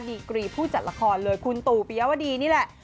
ดีกรีผู้จัดละครเลยคุณตู่ปิยวดีนี่แหละ